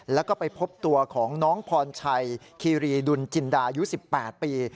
แล้วก็ไปพบตัวของน้องพรชัยคีรีดุลจินดาอายุ๑๘ปี